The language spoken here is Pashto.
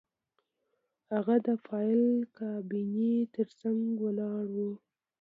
هغه د فایل کابینې ترڅنګ ولاړ و